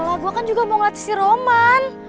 iya bella gue kan juga mau ngelatih si roman